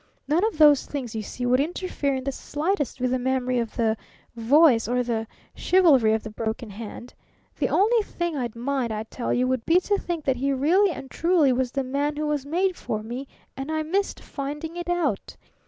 None of those things, you see, would interfere in the slightest with the memory of the Voice or the chivalry of the broken hand. THE ONLY THING I'D MIND, I TELL YOU, WOULD BE TO THINK THAT HE REALLY AND TRULY WAS THE MAN WHO WAS MADE FOR ME AND I MISSED FINDING IT OUT!